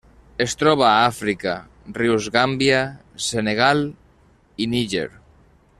Es troba a Àfrica: rius Gàmbia, Senegal i Níger.